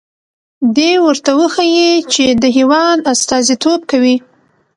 دې ورته وښيي چې د هېواد استازیتوب کوي.